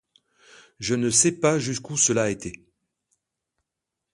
Je ne sais pas jusqu'où cela a été.